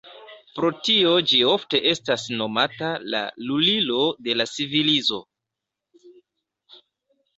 Pro tio ĝi ofte estas nomata la "lulilo de la civilizo".